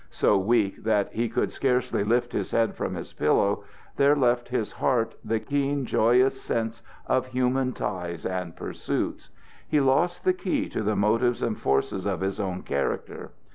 So weak that he could scarcely lift his head from his pillow, there left his heart the keen, joyous sense of human ties and pursuits. He lost the key to the motives and forces of his own character.